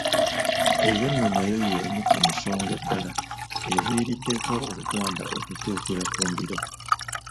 Eyo nno nayo emu ku nsonga ddala eziviiriddeko Oluganda okukyukira ku mbiro